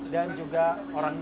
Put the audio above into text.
dan juga penyelenggara